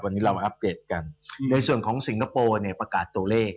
วันนี้เรามาอัปเดตกันในส่วนของสิงคโปร์เนี่ยประกาศตัวเลข